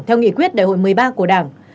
theo nghị quyết đại hội một mươi ba của đảng